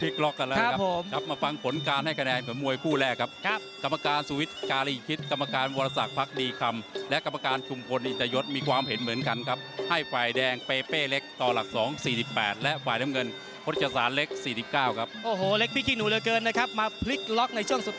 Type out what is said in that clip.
กลับมาฟังผลการให้กระแนนกับมวยคู่แรกครับครับกรรมการสวิตซ์การีคิดกรรมการวรศักดิ์พรรคดีคำและกรรมการกรุงคนอินตยศมีความเห็นเหมือนกันครับให้ฝ่ายแดงเป้เป้เล็กต่อหลักสองสี่สิบแปดและฝ่ายน้ำเงินพฤษศาสตร์เล็กสี่สิบเก้าครับโอ้โหเล็กพี่ขี้หนูเหลือเกินนะครับมาพลิกล็อกใน